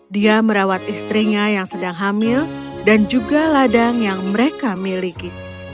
dia merawat istrinya yang sedang hamil dan juga ladang yang mereka miliki